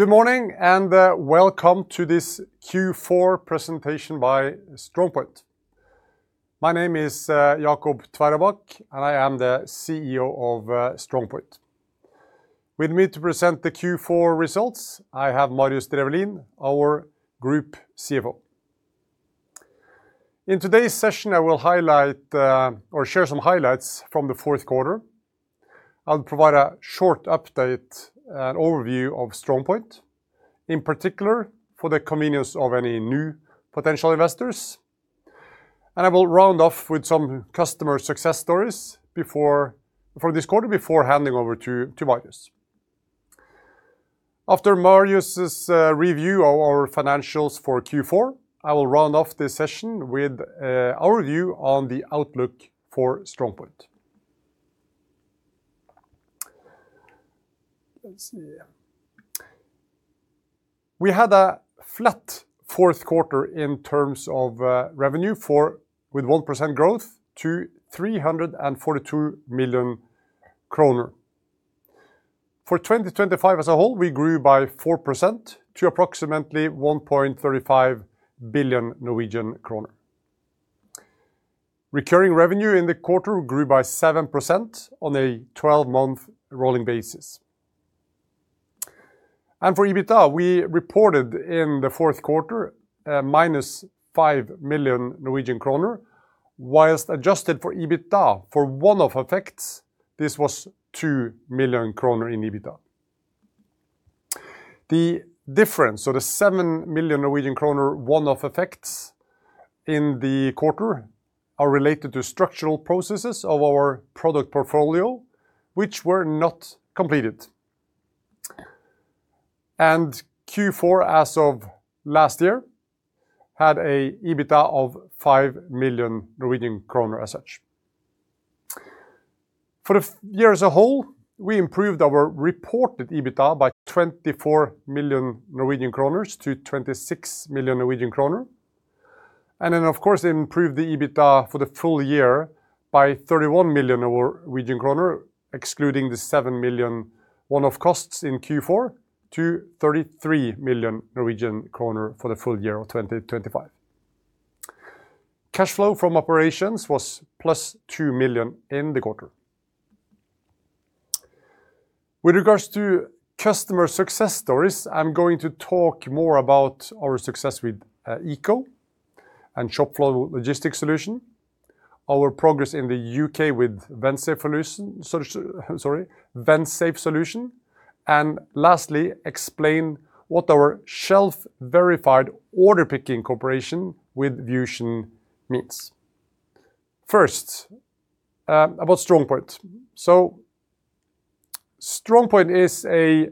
Good morning, and welcome to this Q4 presentation by StrongPoint. My name is Jacob Tveraabak, and I am the CEO of StrongPoint. With me to present the Q4 results, I have Marius Drefvelin, our Group CFO. In today's session, I will highlight or share some highlights from the fourth quarter. I'll provide a short update and overview of StrongPoint, in particular for the convenience of any new potential investors, and I will round off with some customer success stories for this quarter before handing over to Marius. After Marius's review of our financials for Q4, I will round off this session with our view on the outlook for StrongPoint. Let's see. We had a flat fourth quarter in terms of revenue with 1% growth to 342 million kroner. For 2025 as a whole, we grew by 4% to approximately 1.35 billion Norwegian kroner. Recurring revenue in the quarter grew by 7% on a 12-month rolling basis. For EBITDA, we reported in the fourth quarter a -five million Norwegian kroner, whilst adjusted for EBITDA for one-off effects, this was two million kroner in EBITDA. The difference, so the seven million Norwegian kroner one-off effects in the quarter, are related to structural processes of our product portfolio, which were not completed. Q4, as of last year, had a EBITDA of five million Norwegian kroner as such. For the year as a whole, we improved our reported EBITDA by 24 million Norwegian kroner to 26 million Norwegian kroner, and then, of course, improved the EBITDA for the full year by 31 million Norwegian kroner, excluding the seven million one-off costs in Q4 to 33 million Norwegian kroner for the full year of 2025. Cash flow from operations was +two million in the quarter. With regards to customer success stories, I'm going to talk more about our success with ICA and ShopFlow Logistics solution, our progress in the UK with Vensafe solution, so, sorry, Vensafe solution, and lastly, explain what our Shelf-Verified Order Picking cooperation with VusionGroup means. First, about StrongPoint. So StrongPoint is a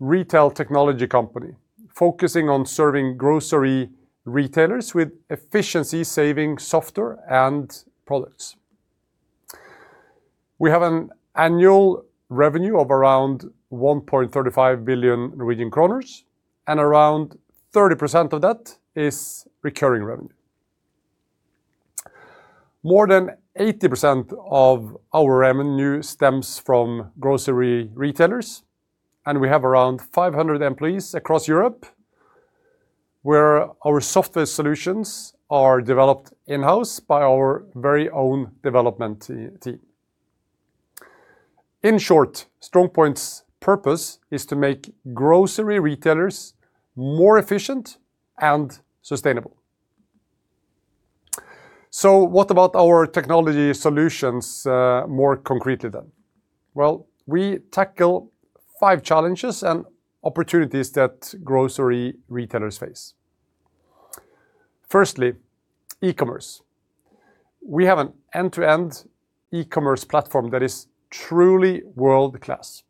retail technology company focusing on serving grocery retailers with efficiency-saving software and products. We have an annual revenue of around 1.35 billion Norwegian kroner, and around 30% of that is recurring revenue. More than 80% of our revenue stems from grocery retailers, and we have around 500 employees across Europe, where our software solutions are developed in-house by our very own development team. In short, StrongPoint's purpose is to make grocery retailers more efficient and sustainable. So what about our technology solutions, more concretely, then? Well, we tackle five challenges and opportunities that grocery retailers face. Firstly, e-commerce. We have an end-to-end e-commerce platform that is truly world-class.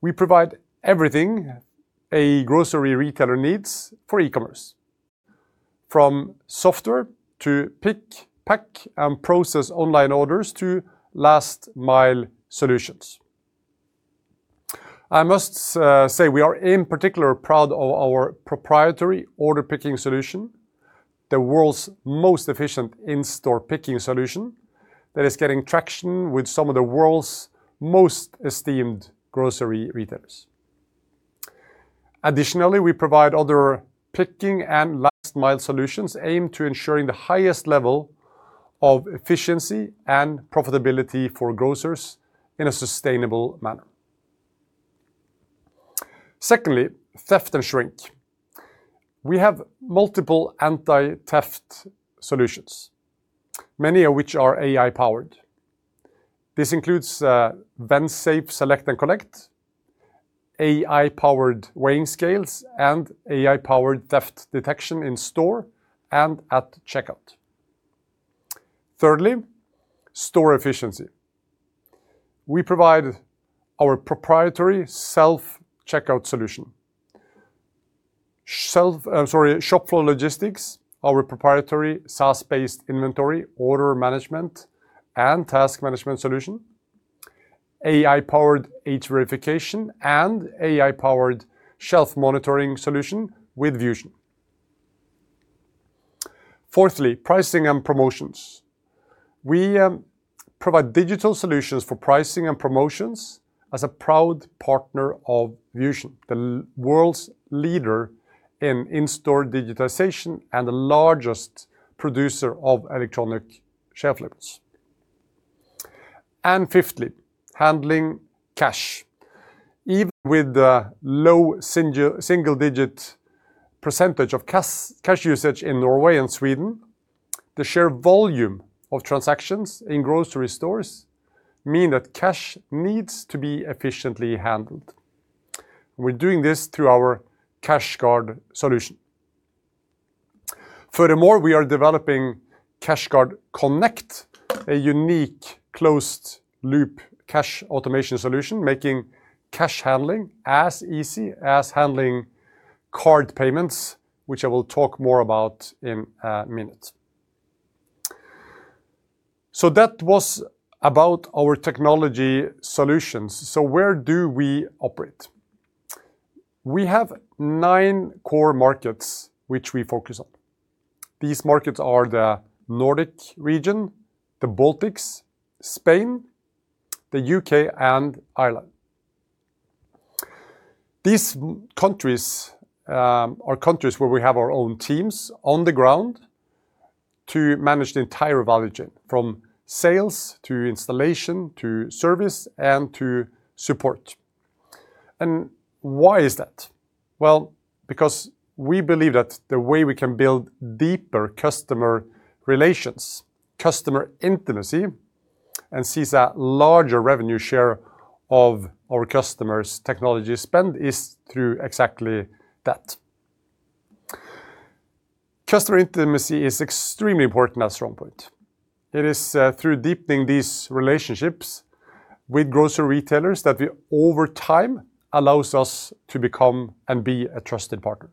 We provide everything a grocery retailer needs for e-commerce, from software to pick, pack, and process online orders to last-mile solutions. I must say we are, in particular, proud of our proprietary order picking solution, the world's most efficient in-store picking solution, that is getting traction with some of the world's most esteemed grocery retailers. Additionally, we provide other picking and last-mile solutions aimed to ensuring the highest level of efficiency and profitability for grocers in a sustainable manner. Secondly, theft and shrink. We have multiple anti-theft solutions, many of which are AI-powered. This includes Vensafe Select and Collect, AI-powered weighing scales, and AI-powered theft detection in store and at checkout. Thirdly, store efficiency. We provide our proprietary self-checkout solution. ShopFlow Logistics, our proprietary SaaS-based inventory, order management, and task management solution, AI-powered age verification, and AI-powered shelf monitoring solution with Vusion. Fourthly, pricing and promotions. We provide digital solutions for pricing and promotions as a proud partner of Vusion, the world's leader in in-store digitization and the largest producer of electronic shelf labels. And fifthly, handling cash. Even with the low single-digit % of cash usage in Norway and Sweden, the sheer volume of transactions in grocery stores mean that cash needs to be efficiently handled. We're doing this through our CashGuard solution. Furthermore, we are developing CashGuard Connect, a unique closed-loop cash automation solution, making cash handling as easy as handling card payments, which I will talk more about in a minute. That was about our technology solutions. Where do we operate? We have nine core markets which we focus on. These markets are the Nordic region, the Baltics, Spain, the U.K., and Ireland. These countries are countries where we have our own teams on the ground to manage the entire value chain, from sales to installation, to service, and to support. And why is that? Well, because we believe that the way we can build deeper customer relations, customer intimacy, and seize a larger revenue share of our customers' technology spend is through exactly that. Customer intimacy is extremely important at StrongPoint. It is through deepening these relationships with grocery retailers that we, over time, allows us to become and be a trusted partner.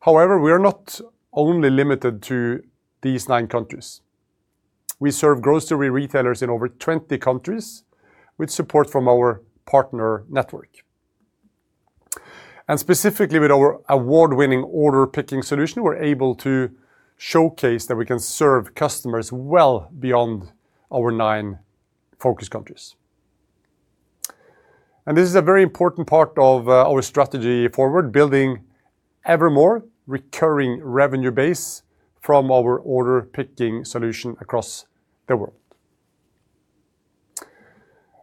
However, we are not only limited to these nine countries. We serve grocery retailers in over 20 countries, with support from our partner network. And specifically, with our award-winning Order Picking solution, we're able to showcase that we can serve customers well beyond our nine focus countries. This is a very important part of our strategy forward, building evermore recurring revenue base from our Order Picking solution across the world.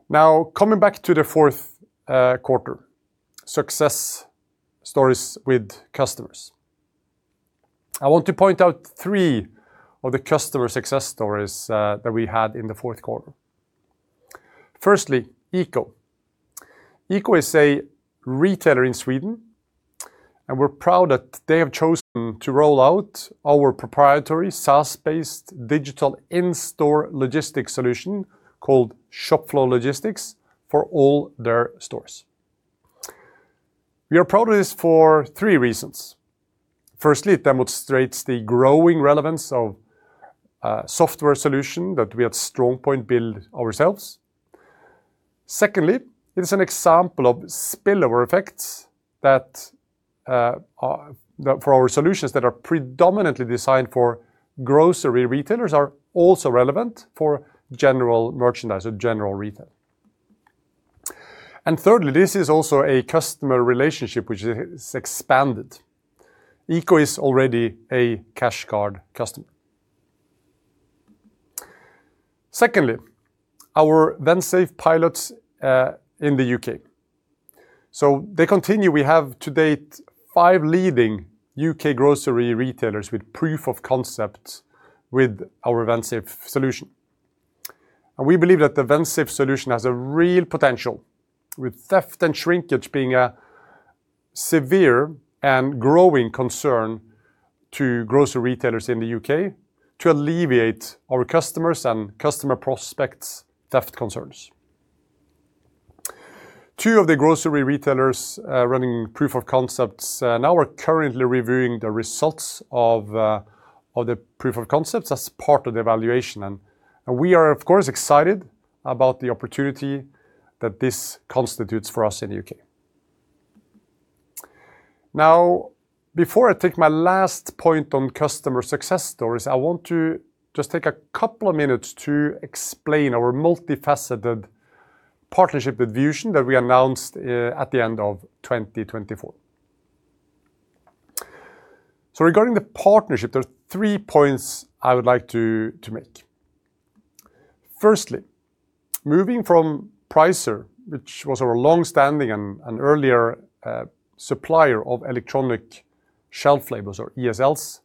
Now, coming back to the fourth quarter, success stories with customers. I want to point out three of the customer success stories that we had in the fourth quarter. Firstly, ICA. ICA is a retailer in Sweden, and we're proud that they have chosen to roll out our proprietary, SaaS-based, digital in-store logistics solution, called ShopFlow Logistics, for all their stores. We are proud of this for three reasons. Firstly, it demonstrates the growing relevance of a software solution that we at StrongPoint build ourselves. Secondly, it is an example of spillover effects that for our solutions that are predominantly designed for grocery retailers are also relevant for general merchandise or general retail. Thirdly, this is also a customer relationship which is expanded. ICA is already a CashGuard customer. Secondly, our Vensafe pilots in the UK. So they continue. We have, to date, five leading UK grocery retailers with proof of concepts with our Vensafe solution. And we believe that the Vensafe solution has a real potential, with theft and shrinkage being a severe and growing concern to grocery retailers in the UK, to alleviate our customers' and customer prospects' theft concerns. Two of the grocery retailers running proof of concepts now are currently reviewing the results of the proof of concepts as part of the evaluation, and we are, of course, excited about the opportunity that this constitutes for us in the UK. Now, before I take my last point on customer success stories, I want to just take a couple of minutes to explain our multifaceted partnership with Vusion that we announced at the end of 2024. So regarding the partnership, there are three points I would like to make. Firstly, moving from Pricer, which was our long-standing and earlier supplier of electronic shelf labels or ESLs.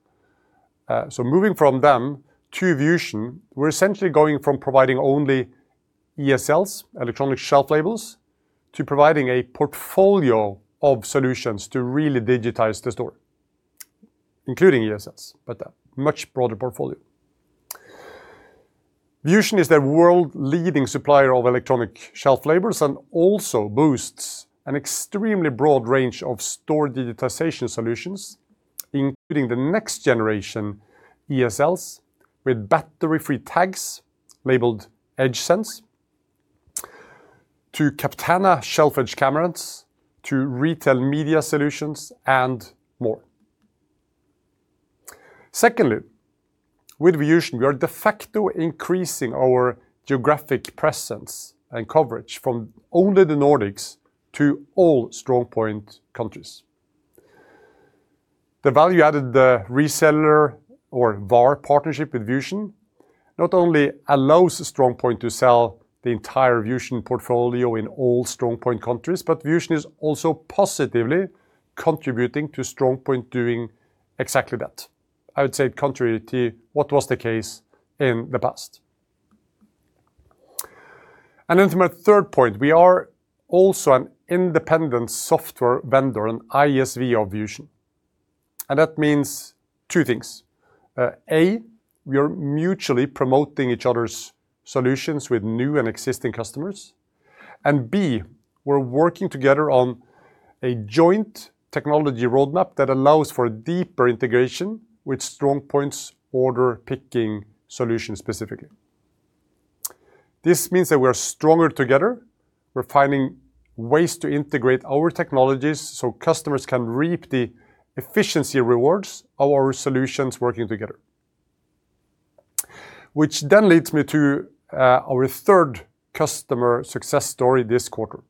So moving from them to Vusion, we're essentially going from providing only ESLs, electronic shelf labels, to providing a portfolio of solutions to really digitize the store, including ESLs, but a much broader portfolio. Vusion is the world-leading supplier of electronic shelf labels and also boasts an extremely broad range of store digitization solutions, including the next-generation ESLs with battery-free tags labeled EdgeSense, to Captana shelf-edge cameras, to retail media solutions, and more. Secondly, with Vusion, we are de facto increasing our geographic presence and coverage from only the Nordics to all StrongPoint countries. The value-added, the reseller or VAR partnership with Vusion, not only allows StrongPoint to sell the entire Vusion portfolio in all StrongPoint countries, but Vusion is also positively contributing to StrongPoint doing exactly that, I would say contrary to what was the case in the past. And then to my third point, we are also an independent software vendor, an ISV of Vusion, and that means two things: A, we are mutually promoting each other's solutions with new and existing customers, and B, we're working together on a joint technology roadmap that allows for deeper integration with StrongPoint's order picking solution, specifically. This means that we are stronger together. We're finding ways to integrate our technologies so customers can reap the efficiency rewards of our solutions working together. Which then leads me to our third customer success story this quarter.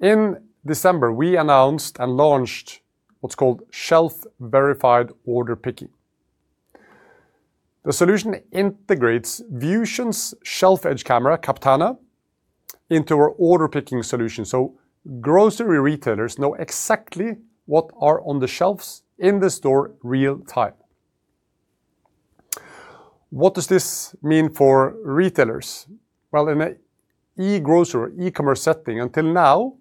In December, we announced and launched what's called Shelf-Verified Order Picking. The solution integrates Vusion's shelf-edge camera, Captana, into our Order Picking solution, so grocery retailers know exactly what are on the shelves in the store real time. What does this mean for retailers? Well, in an e-grocery e-commerce setting, until now,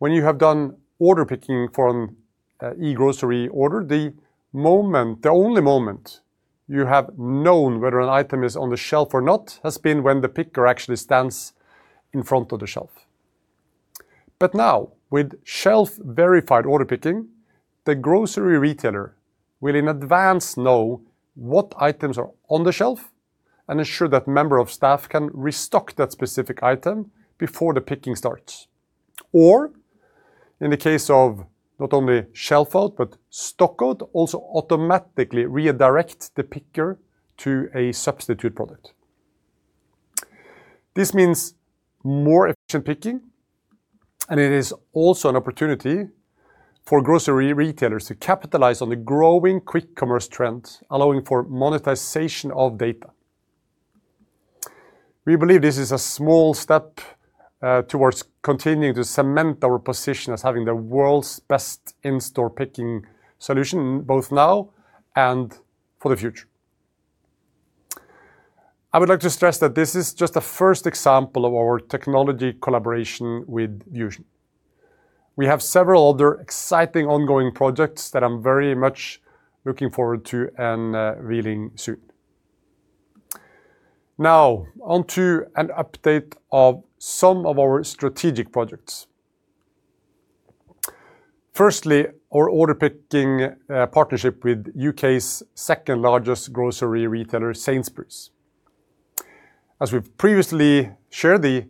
when you have done order picking from e-grocery order, the moment, the only moment you have known whether an item is on the shelf or not, has been when the picker actually stands in front of the shelf. But now, with Shelf-Verified Order Picking, the grocery retailer will in advance know what items are on the shelf and ensure that member of staff can restock that specific item before the picking starts. Or in the case of not only shelf out, but stock out, also automatically redirect the picker to a substitute product. This means more efficient picking, and it is also an opportunity for grocery retailers to capitalize on the growing quick commerce trend, allowing for monetization of data. We believe this is a small step towards continuing to cement our position as having the world's best in-store picking solution, both now and for the future. I would like to stress that this is just the first example of our technology collaboration with VusionGroup. We have several other exciting ongoing projects that I'm very much looking forward to and revealing soon. Now, on to an update of some of our strategic projects. Firstly, our Order Picking partnership with UK's second-largest grocery retailer, Sainsbury's. As we've previously shared, the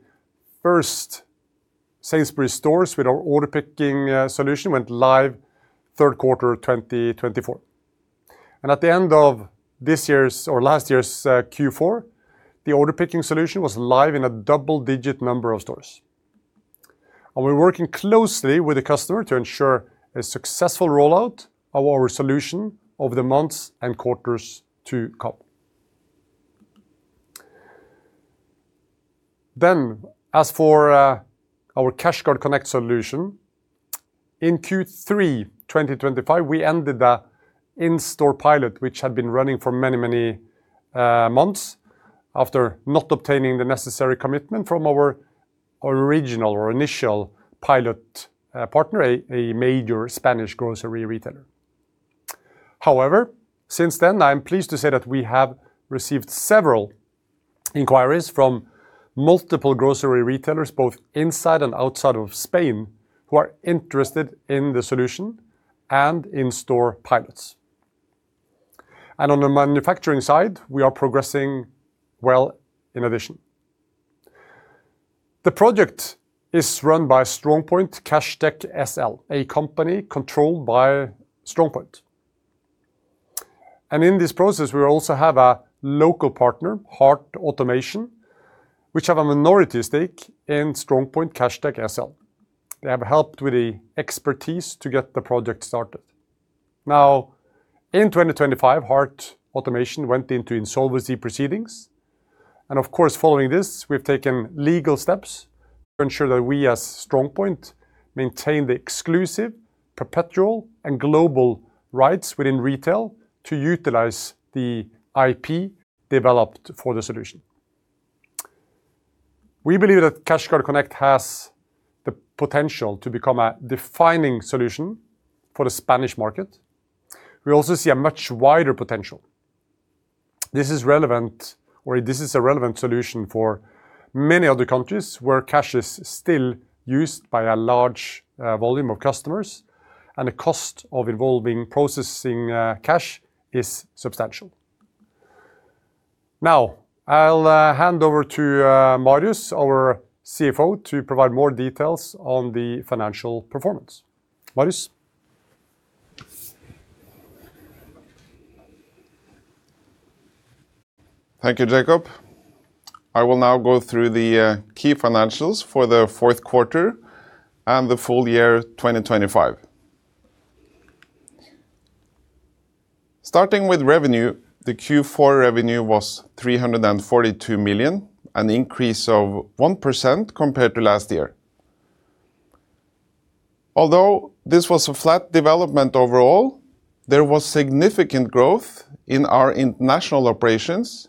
first Sainsbury's stores with our order picking solution went live third quarter of 2024. At the end of this year's or last year's Q4, the order picking solution was live in a double-digit number of stores. We're working closely with the customer to ensure a successful rollout of our solution over the months and quarters to come. As for our CashGuard Connect solution, in Q3 2025, we ended the in-store pilot, which had been running for many, many months, after not obtaining the necessary commitment from our original or initial pilot partner, a major Spanish grocery retailer. However, since then, I'm pleased to say that we have received several inquiries from multiple grocery retailers, both inside and outside of Spain, who are interested in the solution and in-store pilots. And on the manufacturing side, we are progressing well in addition. The project is run by StrongPoint CashTech SL, a company controlled by StrongPoint, and in this process, we also have a local partner, Hart Automation, which have a minority stake in StrongPoint CashTech SL They have helped with the expertise to get the project started. Now, in 2025, Hart Automation went into insolvency proceedings, and of course, following this, we've taken legal steps to ensure that we, as StrongPoint, maintain the exclusive, perpetual, and global rights within retail to utilize the IP developed for the solution. We believe that CashGuard Connect has the potential to become a defining solution for the Spanish market. We also see a much wider potential. This is relevant, or this is a relevant solution for many other countries where cash is still used by a large volume of customers. And the cost of involving processing, cash is substantial. Now, I'll hand over to Marius, our CFO, to provide more details on the financial performance. Marius? Thank you, Jacob. I will now go through the key financials for the fourth quarter and the full year 2025. Starting with revenue, the Q4 revenue was 342 million, an increase of 1% compared to last year. Although this was a flat development overall, there was significant growth in our international operations,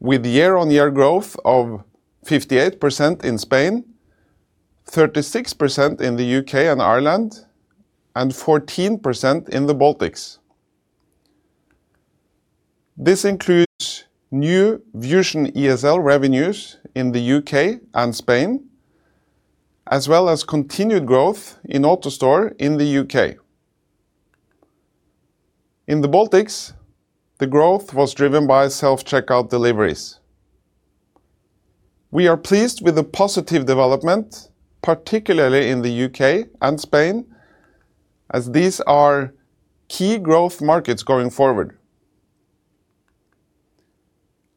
with year-on-year growth of 58% in Spain, 36% in the UK and Ireland, and 14% in the Baltics. This includes new Vusion ESL revenues in the UK and Spain, as well as continued growth in AutoStore in the UK. In the Baltics, the growth was driven by self-checkout deliveries. We are pleased with the positive development, particularly in the UK and Spain, as these are key growth markets going forward.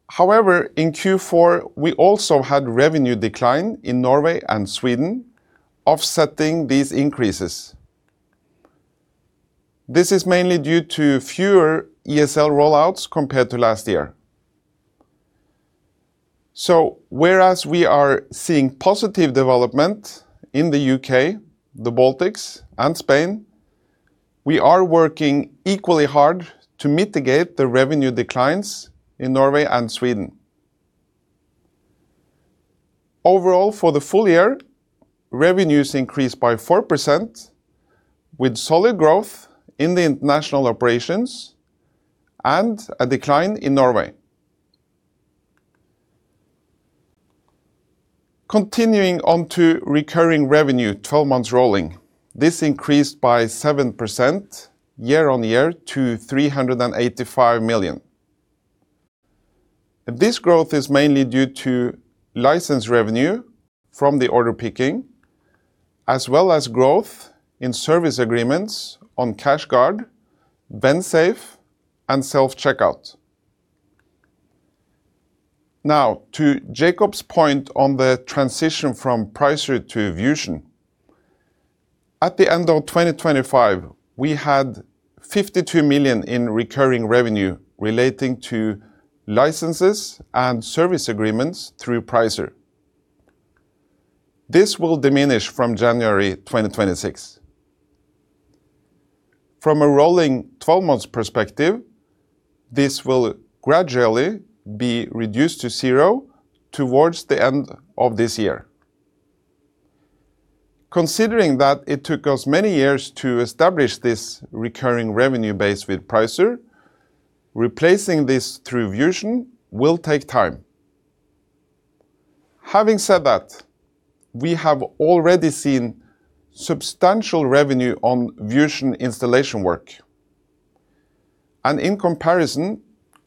However, in Q4, we also had revenue decline in Norway and Sweden, offsetting these increases. This is mainly due to fewer ESL rollouts compared to last year. So whereas we are seeing positive development in the U.K., the Baltics, and Spain, we are working equally hard to mitigate the revenue declines in Norway and Sweden. Overall, for the full year, revenues increased by 4%, with solid growth in the international operations and a decline in Norway. Continuing on to recurring revenue, twelve months rolling, this increased by 7% year-on-year to NOK 38five million. This growth is mainly due to license revenue from Order Picking, as well as growth in service agreements on CashGuard, Vensafe, and self-checkout. Now, to Jacob's point on the transition from Pricer to Vusion. At the end of 2025, we had 52 million in recurring revenue relating to licenses and service agreements through Pricer. This will diminish from January 2026. From a 12-month perspective, this will gradually be reduced to zero towards the end of this year. Considering that it took us many years to establish this recurring revenue base with Pricer, replacing this through Vusion will take time. Having said that, we have already seen substantial revenue on Vusion installation work. And in comparison,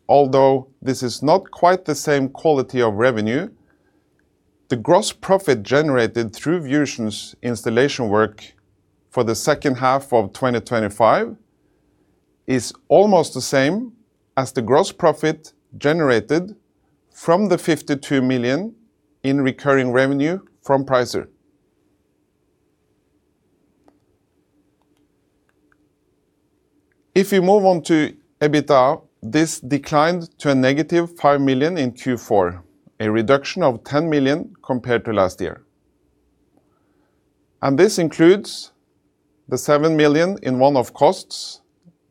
although this is not quite the same quality of revenue, the gross profit generated through Vusion's installation work for the second half of 2025 is almost the same as the gross profit generated from the 52 million in recurring revenue from Pricer. If you move on to EBITDA, this declined to -five million in Q4, a reduction of 10 million compared to last year. This includes the seven million in one-off costs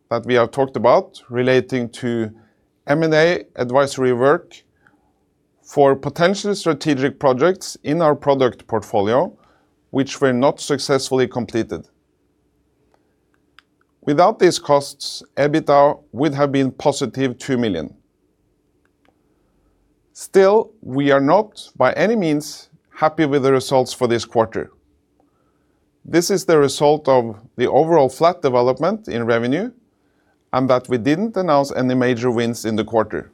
that we have talked about relating to M&A advisory work for potential strategic projects in our product portfolio, which were not successfully completed. Without these costs, EBITDA would have been positive two million. Still, we are not, by any means, happy with the results for this quarter. This is the result of the overall flat development in revenue and that we didn't announce any major wins in the quarter.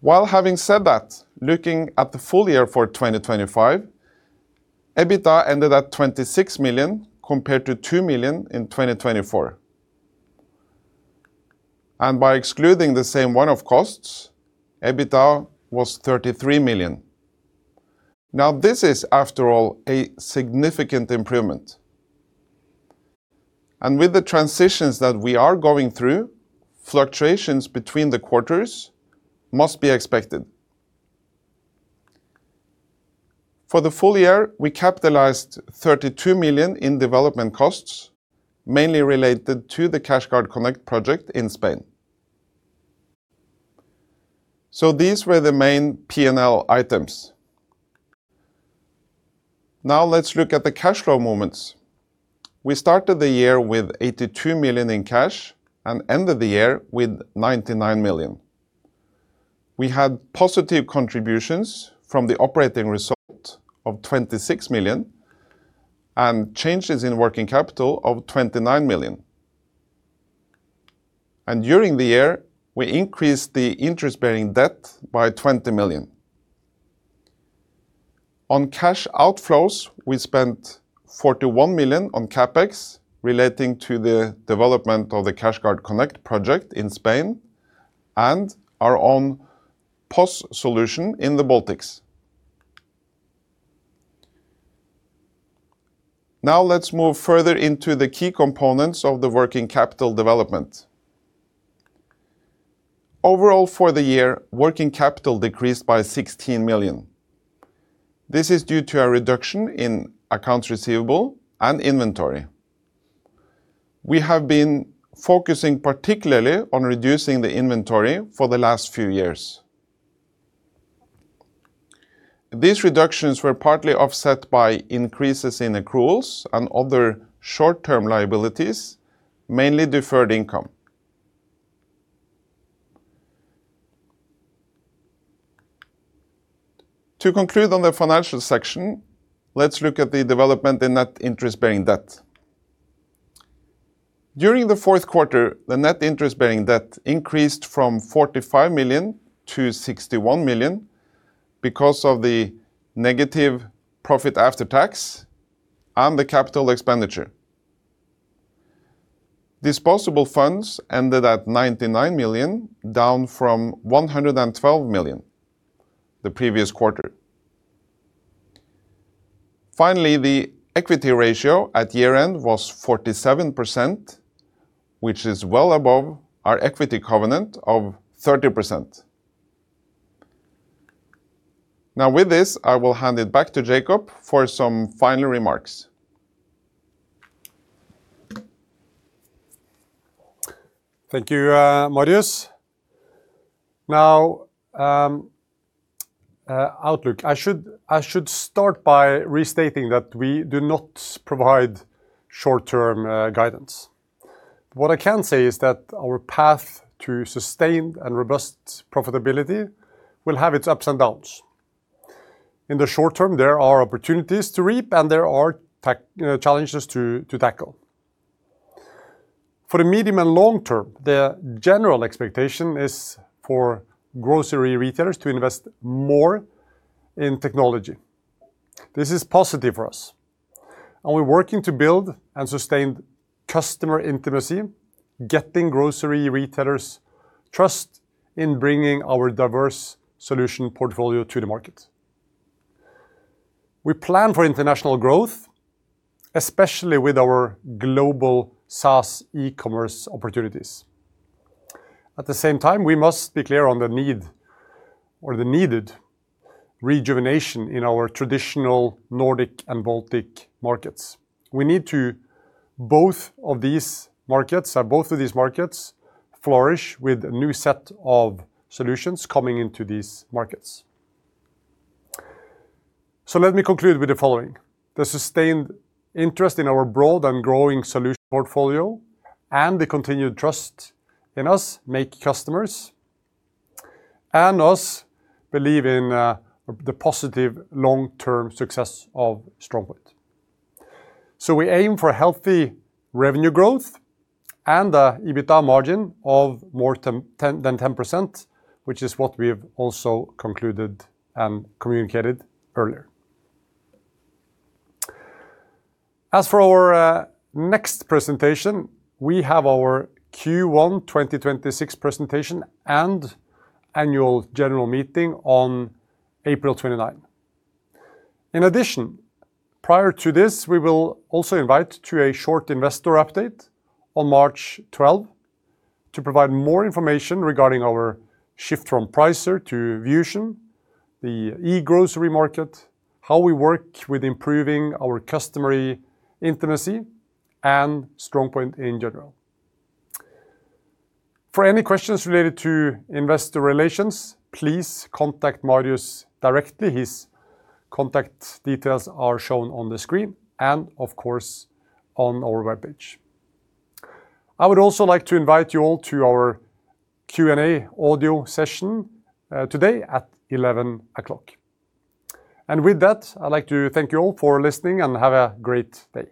While having said that, looking at the full year for 2025, EBITDA ended at 26 million, compared to two million in 2024. By excluding the same one-off costs, EBITDA was 33 million. Now, this is, after all, a significant improvement. With the transitions that we are going through, fluctuations between the quarters must be expected. For the full year, we capitalized 32 million in development costs, mainly related to the CashGuard Connect project in Spain. So these were the main P&L items. Now, let's look at the cash flow movements. We started the year with 82 million in cash and ended the year with 99 million. We had positive contributions from the operating result of 26 million and changes in working capital of 29 million. And during the year, we increased the interest-bearing debt by 20 million. On cash outflows, we spent 41 million on CapEx relating to the development of the CashGuard Connect project in Spain and our own POS solution in the Baltics. Now let's move further into the key components of the working capital development. Overall, for the year, working capital decreased by 16 million. This is due to a reduction in accounts receivable and inventory. We have been focusing particularly on reducing the inventory for the last few years. These reductions were partly offset by increases in accruals and other short-term liabilities, mainly deferred income. To conclude on the financial section, let's look at the development in net interest-bearing debt. During the fourth quarter, the net interest-bearing debt increased from 45 million to 61 million because of the negative profit after tax and the capital expenditure. Disposable funds ended at 99 million, down from 112million the previous quarter. Finally, the equity ratio at year-end was 47%, which is well above our equity covenant of 30%. Now, with this, I will hand it back to Jacob for some final remarks. Thank you, Marius. Now, outlook. I should start by restating that we do not provide short-term guidance. What I can say is that our path to sustained and robust profitability will have its ups and downs. In the short term, there are opportunities to reap and there are, you know, challenges to tackle. For the medium and long term, the general expectation is for grocery retailers to invest more in technology. This is positive for us, and we're working to build and sustain customer intimacy, getting grocery retailers' trust in bringing our diverse solution portfolio to the market. We plan for international growth, especially with our global SaaS e-commerce opportunities. At the same time, we must be clear on the need or the needed rejuvenation in our traditional Nordic and Baltic markets. We need to, both of these markets, or both of these markets, flourish with a new set of solutions coming into these markets. So let me conclude with the following. The sustained interest in our broad and growing solution portfolio and the continued trust in us make customers and us believe in the positive long-term success of StrongPoint. So we aim for healthy revenue growth and EBITDA margin of more than 10%, which is what we've also concluded and communicated earlier. As for our next presentation, we have our Q1 2026 presentation and annual general meeting on April 29. In addition, prior to this, we will also invite to a short investor update on March 12 to provide more information regarding our shift from Pricer to Vusion, the e-grocery market, how we work with improving our customer intimacy, and StrongPoint in general. For any questions related to investor relations, please contact Marius directly. His contact details are shown on the screen and, of course, on our webpage. I would also like to invite you all to our Q&A audio session today at 11:00. And with that, I'd like to thank you all for listening, and have a great day!